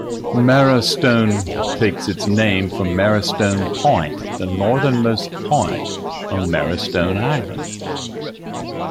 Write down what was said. Marrowstone takes its name from Marrowstone Point, the northernmost point on Marrowstone Island.